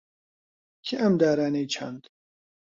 کێ ئەم دارانەی چاند؟